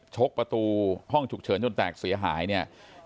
ชกประตูห้องฉุกเฉินจนแตกเสียหายเนี่ย